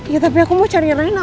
iya tapi aku mau cari rena